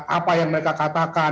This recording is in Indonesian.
apa yang mereka katakan